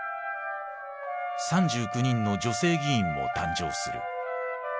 ３９人の女性議員も誕生する。